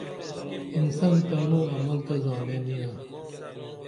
انسان تانوعمل تہ زانین یینا